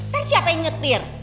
per siapa yang nyetir